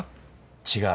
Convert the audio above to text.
違う。